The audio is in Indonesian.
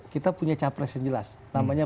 kita punya cawa press yang jelas namanya